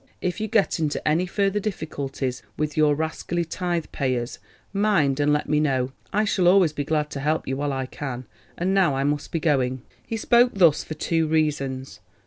If you get into any further difficulties with your rascally tithe payers, mind and let me know. I shall always be glad to help you while I can. And now I must be going." He spoke thus for two reasons.